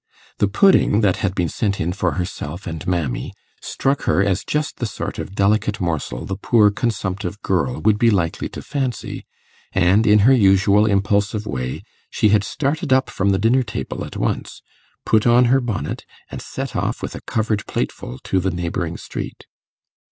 The pudding that had been sent in for herself and 'Mammy,' struck her as just the sort of delicate morsel the poor consumptive girl would be likely to fancy, and in her usual impulsive way she had started up from the dinner table at once, put on her bonnet, and set off with a covered plateful to the neighbouring street.